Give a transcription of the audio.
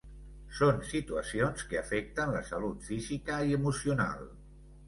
Són situacions que afecten la salut física i emocional.